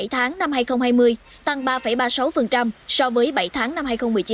bảy tháng năm hai nghìn hai mươi tăng ba ba mươi sáu so với bảy tháng năm hai nghìn một mươi chín